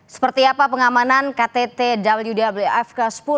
seperti apa pengamanan ktt wwf ke sepuluh